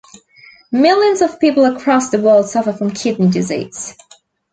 Millions of people across the world suffer from kidney disease.